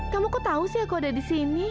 kamu kok tahu sih aku ada di sini